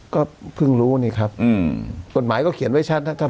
ก็เพิ่งรู้นี่ครับอืมกฎหมายก็เขียนไว้ชัดนะครับ